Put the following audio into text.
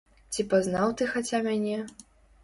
Ці пазнаў ты хаця мяне?